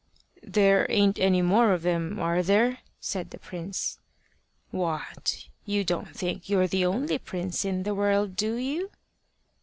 "There ain't any more of them are there?" said the prince. "What! you don't think you're the only prince in the world, do you?"